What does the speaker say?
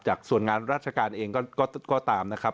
ส่วนงานราชการเองก็ตามนะครับ